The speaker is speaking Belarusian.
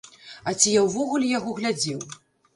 А ці я ўвогуле яго глядзеў?